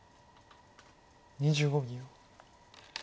２５秒。